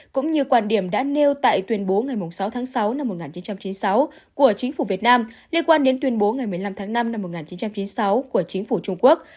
cũng như quan điểm đã nêu tại tuyên bố ngày sáu tháng sáu năm một nghìn chín trăm chín mươi sáu của chính phủ việt nam liên quan đến tuyên bố ngày một mươi năm tháng năm năm một nghìn chín trăm chín mươi sáu của chính phủ trung quốc